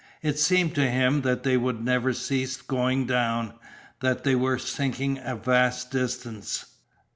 It seemed to him that they would never cease going down, that they were sinking a vast distance.